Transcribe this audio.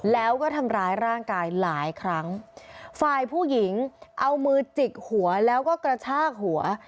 แล้วก็ทำร้ายร่างกายหลายครั้งฝ่ายผู้หญิงเอามือจิกหัวแล้วก็กระชากหัว